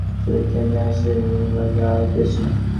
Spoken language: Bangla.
সেদিক থেকে তিনি আদর্শবাদী ও দ্রষ্টা।